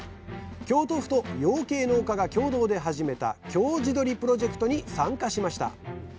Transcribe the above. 京都府と養鶏農家が共同で始めた「京地どりプロジェクト」に参加しました。